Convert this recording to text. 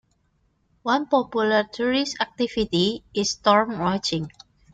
One popular tourist activity is storm watching.